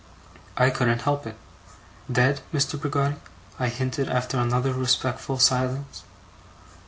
I couldn't help it. ' Dead, Mr. Peggotty?' I hinted, after another respectful silence.